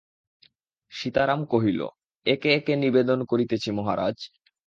সীতারাম কহিল, একে একে নিবেদন করিতেছি মহারাজ।